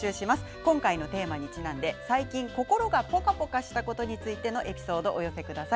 今回のテーマにちなんで最近、心がポカポカしたことについてのエピソードをお寄せください。